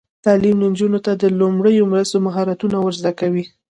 تعلیم نجونو ته د لومړنیو مرستو مهارتونه ور زده کوي.